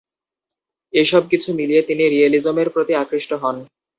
এসব কিছু মিলিয়ে তিনি রিয়ালিজমের প্রতি আকৃষ্ট হন।